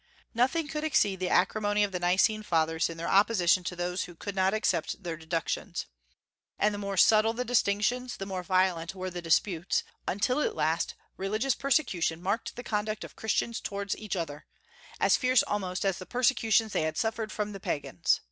Nothing could exceed the acrimony of the Nicene Fathers in their opposition to those who could not accept their deductions. And the more subtile the distinctions the more violent were the disputes; until at last religious persecution marked the conduct of Christians towards each other, as fierce almost as the persecutions they had suffered from the Pagans.